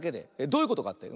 どういうことかって？